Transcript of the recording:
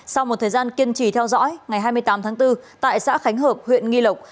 sau một thời gian kiên trì theo dõi ngày hai mươi tám tháng bốn tại xã khánh hợp huyện nghi lộc